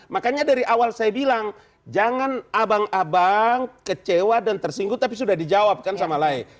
makanya dari awal saya bilang jangan abang abang kecewa dan tersinggung tapi sudah dijawabkan sama lain